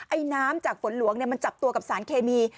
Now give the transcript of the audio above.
ไอน้ำจากฝนหลวงมันจับตัวกับสารเคมี